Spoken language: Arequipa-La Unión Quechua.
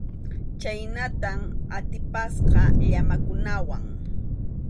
Chhaynatam atipasqa llamakunawan.